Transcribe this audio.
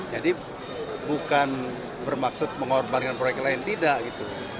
jadi bukan bermaksud mengorbankan proyek lain tidak gitu